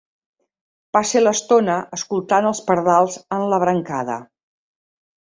Passe l'estona escoltant els pardals en la brancada.